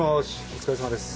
お疲れさまです。